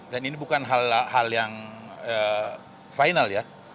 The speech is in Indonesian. dan ini bukan hal yang final ya